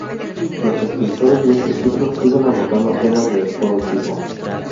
Los escritores de este siglo siguen abordando temas de todo tipo.